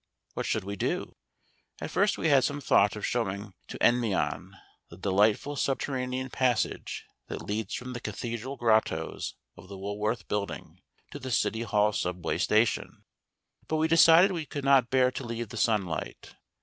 What should we do? At first we had some thought of showing to Endymion the delightful subterranean passage that leads from the cathedral grottoes of the Woolworth Building to the City Hall subway station, but we decided we could not bear to leave the sunlight.